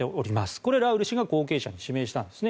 これはラウル氏が後継者に指名したんですね。